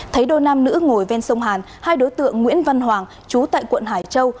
thấy đôi nam nữ ngồi ven sông hàn hai đối tượng nguyễn văn hoàng chú tại quận hải châu